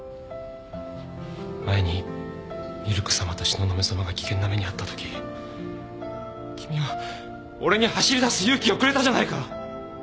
前にみるくさまと東雲さまが危険な目に遭ったとき君は俺に走りだす勇気をくれたじゃないか。